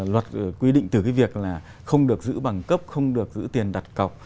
luật quy định từ cái việc là không được giữ bằng cấp không được giữ tiền đặt cọc